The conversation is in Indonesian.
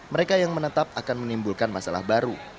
mereka yang menetap akan menimbulkan masalah baru